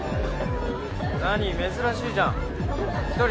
・なに珍しいじゃん１人？